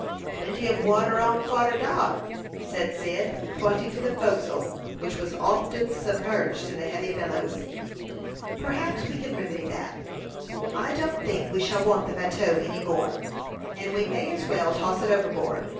"Plenty ob water on fora'd dar," said Cyd, pointing to the forecastle, which was often submerged in the heavy billows. "Perhaps we can remedy that. I don't think we shall want the bateau any more, and we may as well toss it overboard.